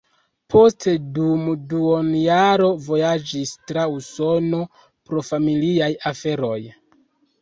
Poste dum duonjaro vojaĝis tra Usono pro familiaj aferoj.